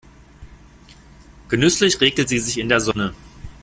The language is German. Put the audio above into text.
Genüsslich räkelt sie sich in der Sonne.